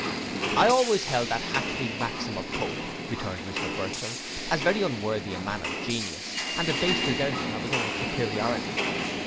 _ 'I always held that hackney'd maxim of Pope,' returned Mr Burchell, 'as very unworthy a man of genius, and a base desertion of his own superiority.